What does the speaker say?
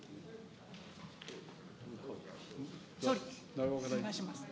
総理、お願いします。